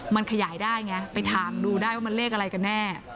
มันขยายได้ไงไปถามดูได้ว่ามันเลขอะไรกันแน่